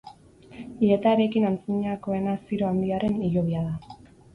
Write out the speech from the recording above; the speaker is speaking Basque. Hileta eraikin antzinakoena Ziro Handiaren hilobia da.